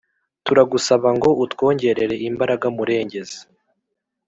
Turagusaba ngo utwongerere imbaraga murengezi